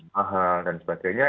pahal dan sebagainya